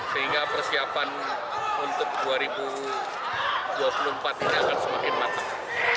kita berharap bisa membentuk kewawahan tambahan sehingga persiapan untuk dua ribu dua puluh empat ini akan semakin matang